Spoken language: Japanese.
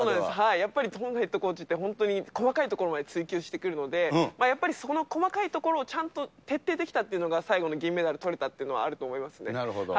やっぱりトムヘッドコーチって本当に細かいところまで追求してくるので、やっぱりその細かいところをちゃんと徹底できたというのは最後の銀メダルとれたっていうのはあると思いますね。